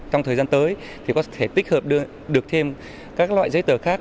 trong thời gian tới thì có thể tích hợp được thêm các loại giấy tờ khác